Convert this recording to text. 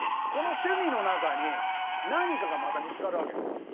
この趣味の中に何かがまた見つかるわけ。